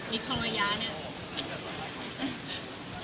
มีธรรมยาเนี่ย